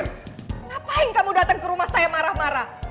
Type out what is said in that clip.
ngapain kamu datang ke rumah saya marah marah